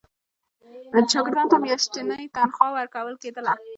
شاګردانو ته میاشتنی تنخوا ورکول کېدله.